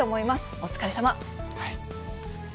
お疲れさま。